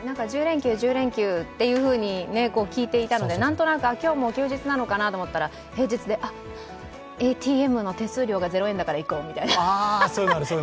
１０連休というふうに聞いていたので、なんとなく今日も休日なのかなと持ったら平日で、あっ、ＡＴＭの手数料が０円だから行こうみたいな。